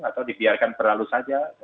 atau dibiarkan terlalu saja